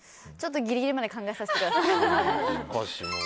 ギリギリまで考えさせてください。